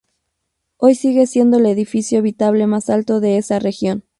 Hoy sigue siendo el edificio habitable más alto de esa región.